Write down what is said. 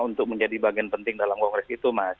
untuk menjadi bagian penting dalam kongres itu mas